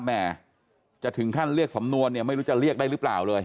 แม่จะถึงขั้นเรียกสำนวนเนี่ยไม่รู้จะเรียกได้หรือเปล่าเลย